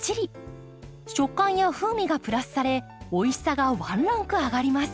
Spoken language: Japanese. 食感や風味がプラスされおいしさがワンランク上がります。